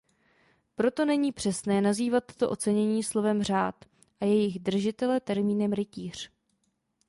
Proto není přesné nazývat tato ocenění slovem "řád" a jejich držitele termínem "rytíř".